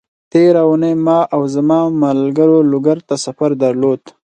تېره اونۍ ما او زما ملګرو لوګر ته سفر درلود،